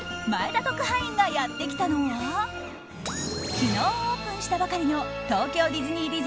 前田特派員がやってきたのは昨日オープンしたばかりの東京ディズニー